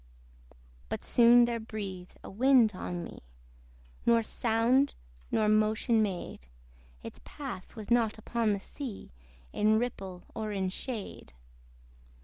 But soon there breathed a wind on me, Nor sound nor motion made: Its path was not upon the sea, In ripple or in shade.